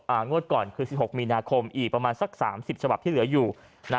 งวดก่อนคือสิบหกมีนาคมอีกประมาณสักสามสิบฉบับที่เหลืออยู่นะ